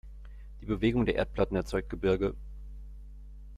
Die Bewegung der Erdplatten erzeugt Gebirge.